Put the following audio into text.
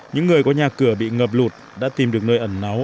những người có nhà cửa bị ngập lụt đã tìm được nơi ẩn náu